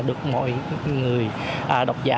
được mọi người đọc giả